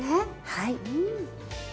はい。